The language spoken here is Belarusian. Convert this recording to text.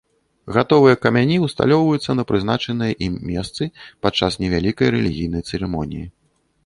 Гатовыя камяні ўсталёўваюцца на прызначаныя ім месцы падчас невялікай рэлігійнай цырымоніі.